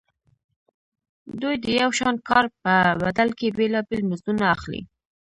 دوی د یو شان کار په بدل کې بېلابېل مزدونه اخلي